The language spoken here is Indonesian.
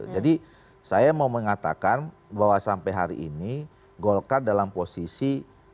jadi saya mau mengatakan bahwa sampai hari ini golkar dalam posisi